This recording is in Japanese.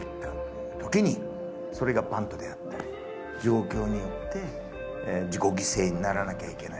時にそれがバントであったり状況によって自己犠牲にならなきゃいけない。